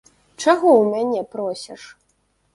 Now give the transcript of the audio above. Чаго ў мяне просіш.